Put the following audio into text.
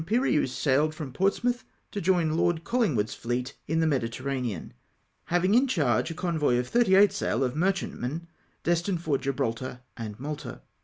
erieuse sailed from Portsmouth to jom Lord CoUiiigwood's fleet ill the Mediterranean, having in charge a convoy of thkty eight sail of merchantmen destmed for Gibraltar and Malta.